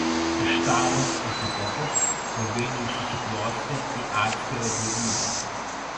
Ištarės epitetas ilgainiui susiklostė į atskirą dievybę.